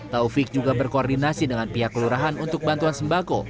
taufik juga berkoordinasi dengan pihak kelurahan untuk bantuan sembako